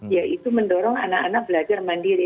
yaitu mendorong anak anak belajar mandiri